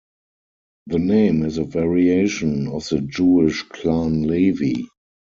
The name is a variation of the Jewish clan Levi.